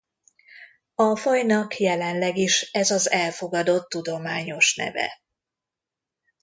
A fajnak jelenleg is ez az elfogadott tudományos neve.